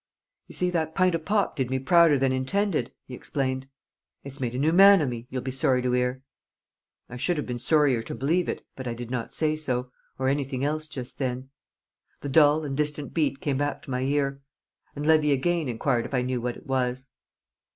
"You see, that pint o' pop did me prouder than intended," he explained. "It's made a new man o' me, you'll be sorry to 'ear." I should have been sorrier to believe it, but I did not say so, or anything else just then. The dull and distant beat came back to the ear. And Levy again inquired if I knew what it was.